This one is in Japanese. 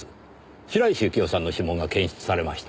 白石幸生さんの指紋が検出されました。